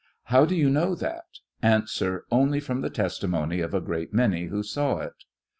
How do you know that ? A. Only from the testimony of a great many who saw it.